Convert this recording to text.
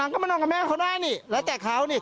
นางก็มานอนกับแม่เขาได้แล้วแต่เขา